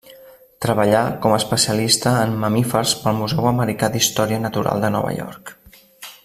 Treballà com a especialista en mamífers pel Museu Americà d'Història Natural de Nova York.